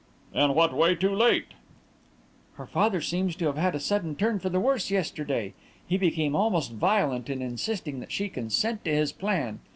"In what way too late?" "Her father seems to have had a sudden turn for the worse yesterday; he became almost violent in insisting that she consent to his plan.